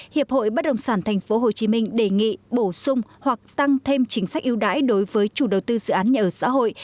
hiệp hội bất đồng sản tp hcm đề nghị bổ sung hoặc tăng thêm chính sách yêu đái đối với chủ đầu tư dự án nhà ở xã hội